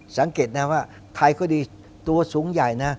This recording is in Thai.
สังเกตนะว่าใครก็ดีตัวสูงใหญ่นะ